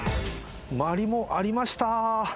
マリモありました。